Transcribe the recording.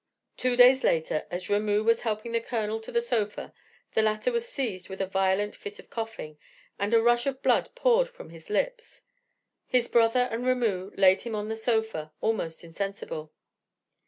Two days later, as Ramoo was helping the Colonel to the sofa, the latter was seized with a violent fit of coughing, then a rush of blood poured from his lips. His brother and Ramoo laid him on the sofa almost insensible.